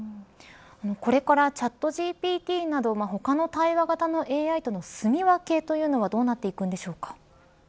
これからチャットＧＰＴなど他の対話型のＡＩとのすみ分けというのはどうなっていくんでしょうか。